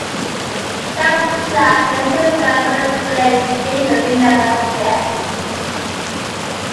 The plaque mentions that William Blake stayed with Linnell as his guest.